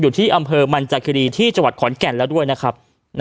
ที่อำเภอมันจากคีรีที่จังหวัดขอนแก่นแล้วด้วยนะครับ